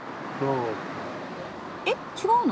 えっ違うの？